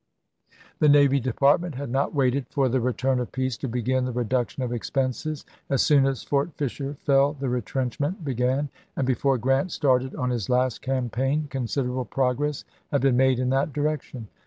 The Navy Department had not waited for the return of peace to begin the reduction of expenses. As soon as Fort Fisher fell the retrenchment began, and before Grant started on his last campaign con siderable progress had been made in that direction.